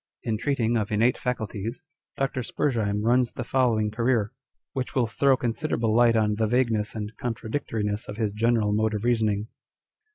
In treating of innate faculties, Dr. Spurzheim runs the following career, which will throw considerable light on the vagueness and contradictoriness of his general mode of reasoning.